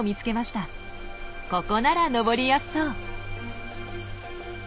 ここなら登りやすそう！